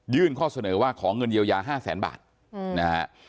ยื่นข้อเสนอว่าของเงินเยียวยา๕๐๐๐๐๐บาทนะฮะ